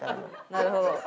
なるほど。